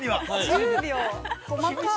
◆１０秒、細かい。